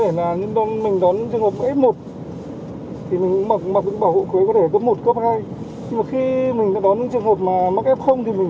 thì mình phải mặc những bộ bảo hộ cấp ba cấp bốn